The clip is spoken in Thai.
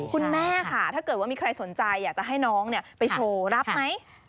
คุณแม่ค่ะถ้าเกิดว่ามีใครสนใจอยากจะให้น้องไปโชว์รับไหม